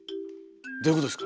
どういうことですか？